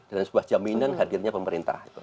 dan sebuah jaminan hadirnya pemerintah